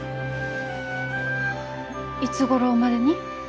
いつごろまでに？